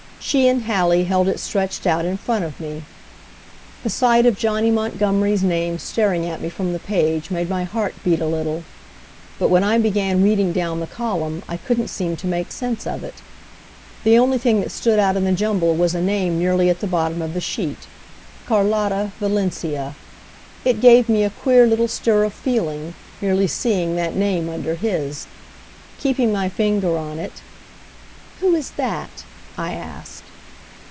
She and Hallie held it stretched out in front of me. The sight of Johnny Montgomery's name staring at me from the page made my heart beat a little. But when I began reading down the column I couldn't seem to make sense of it. The only thing that stood out in the jumble was a name nearly at the bottom of the sheet, Carlotta Valencia. It gave me a queer little stir of feeling, merely seeing that name under his. Keeping my finger on it, "Who is that?" I asked.